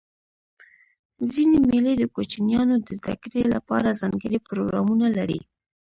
ځيني مېلې د کوچنيانو د زدهکړي له پاره ځانګړي پروګرامونه لري.